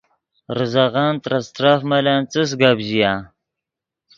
ریزغن ترے استرف ملن څس گپ ژیا